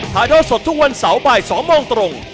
ถ่ายทอดสดทุกวันเสาร์บ่าย๒โมงตรง